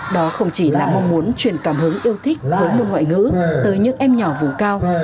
đó không chỉ là mong muốn truyền cảm hứng yêu thích với môn ngoại ngữ tới những em nhỏ vùng cao